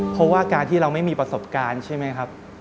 เพราะว่าการที่เราไม่มีประสบการณ์ใช่ไหมครับ